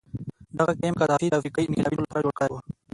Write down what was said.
دغه کمپ قذافي د افریقایي انقلابینو لپاره جوړ کړی و.